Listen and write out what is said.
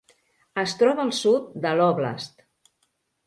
Es troba al sud de l'óblast.